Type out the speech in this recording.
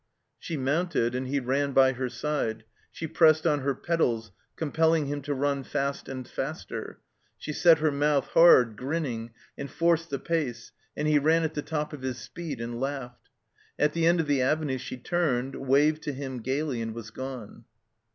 She mounted, and he ran by her side; she pressed on her pedals, compelling him to run fast and faster; she set her mouth hard, grinning, and forced the pace, and he ran at the top of his speed and laughed. At the end of the Avenue she turned, waved to him gaily and was gone.